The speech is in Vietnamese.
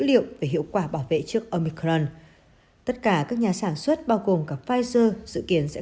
liệu về hiệu quả bảo vệ trước omicron tất cả các nhà sản xuất bao gồm cả pfizer dự kiến sẽ